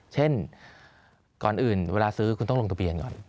เช่นก่อนอื่นเวลาซื้อคุณต้องลงทะเบียนก่อน